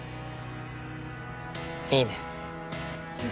いいね。